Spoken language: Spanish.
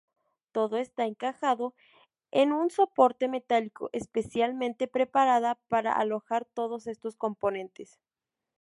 Todo está encajado en un soporte metálico especialmente preparada para alojar todos estos componentes.